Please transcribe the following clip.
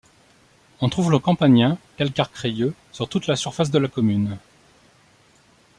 On trouve le Campanien, calcaire crayeux, sur toute la surface de la commune.